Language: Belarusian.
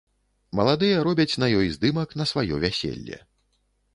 Маладыя робяць на ёй здымак на сваё вяселле.